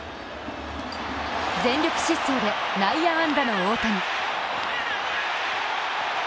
全力疾走で内野安打の大谷。